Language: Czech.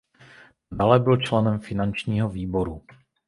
Nadále byl členem finančního výboru.